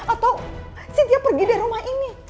atau setiap pergi dari rumah ini